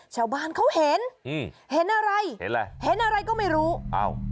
เจ้าบ้านเขาเห็นเห็นอะไรเห็นอะไรก็ไม่รู้อืม